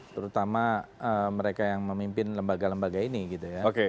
terutama mereka yang memimpin lembaga lembaga ini gitu ya